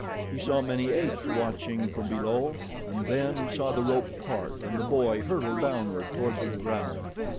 He saw many apes watching from below, and then he saw the rope part and the boy hurtle downward toward the ground.